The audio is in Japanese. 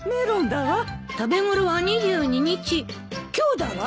今日だわ！